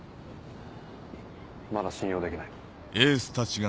まだ信用できない。